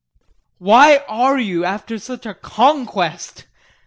Why are you, after such a conquest.